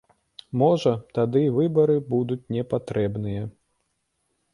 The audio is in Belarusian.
Можа, тады і выбары будуць не патрэбныя?